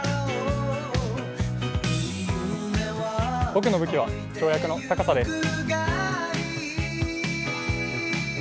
僕の武器は跳躍の高さです。